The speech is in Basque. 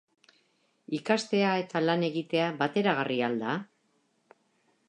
Ikastea eta lan egitea bateragarria al da?